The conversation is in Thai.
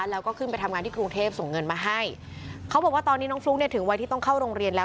แล้วก็ขึ้นไปทำงานที่กรุงเทพส่งเงินมาให้เขาบอกว่าตอนนี้น้องฟลุ๊กเนี่ยถึงวัยที่ต้องเข้าโรงเรียนแล้ว